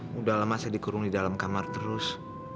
sudah lama saya dikurung di dalam kamar terus